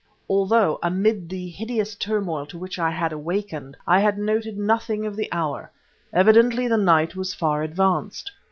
Although, amid the hideous turmoil to which I had awakened, I had noted nothing of the hour, evidently the night was far advanced.